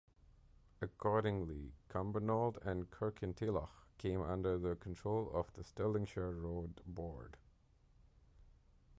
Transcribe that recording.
Accordingly, Cumbernauld and Kirkintilloch came under the control of the Stirlingshire Road Board.